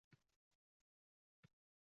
Mehnat qiladiku tun-u kun bedor.